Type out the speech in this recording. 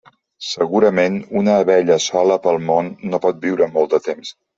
Segurament una abella sola pel món no pot viure molt de temps.